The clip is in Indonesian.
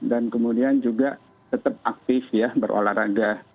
dan kemudian juga tetap aktif berolahraga